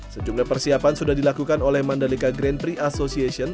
sejumlah persiapan sudah dilakukan oleh mandalika grand prix association